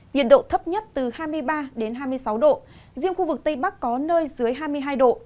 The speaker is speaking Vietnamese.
nhiệt độ thấp nhất từ hai mươi ba đến hai mươi sáu độ riêng khu vực tây bắc có nơi dưới hai mươi hai độ